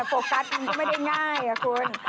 โฟกัสมันก็ไม่ได้ง่ายอะคุณ